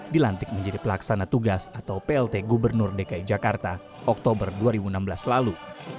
dilantik menjadi pelaksana tugas atau plt gubernur dki jakarta oktober dua ribu enam belas lalu